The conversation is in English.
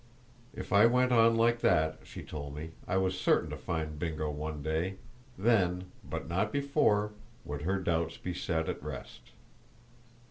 If I went on like that, she told me, I was certain to find Bingo one day; then, but not before, would her doubts be set at rest.